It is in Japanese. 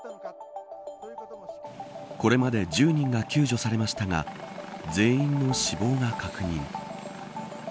これまで１０人が救助されましたが全員の死亡が確認。